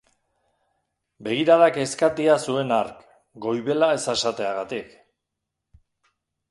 Begirada kezkatia zuen hark, goibela ez esateagatik.